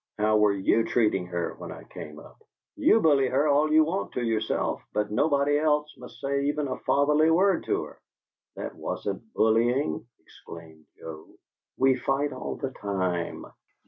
"How were YOU treating her when I came up? You bully her all you want to yourself, but nobody else must say even a fatherly word to her!" "That wasn't bullying," explained Joe. "We fight all the time."